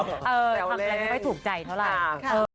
เออทำอะไรไม่ถูกใจเท่าไหร่